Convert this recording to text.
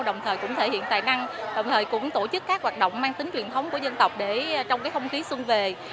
đồng thời cũng thể hiện tài năng đồng thời cũng tổ chức các hoạt động mang tính truyền thống của dân tộc để trong không khí xuân về